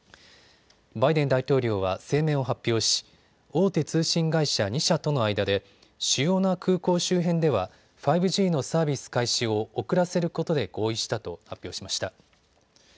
バイデン大統領は声明を発表し大手通信会社２社との間で主要な空港周辺では５Ｇのサービス開始を遅らせることで合意したと発表しました。